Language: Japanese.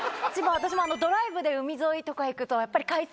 私もドライブで海沿いとか行くとやっぱり。